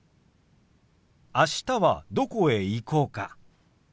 あしたはどこへ行こうか？